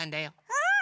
うん！